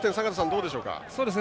どうでしょうか？